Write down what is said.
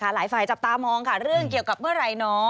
หลายฝ่ายจับตามองค่ะเรื่องเกี่ยวกับเมื่อไหร่เนาะ